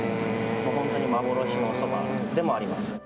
本当に幻のそばでもあります。